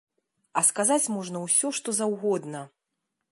А сказаць можна ўсё што заўгодна.